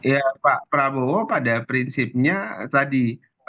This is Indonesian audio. ya pak prabowo pada prinsipnya tadi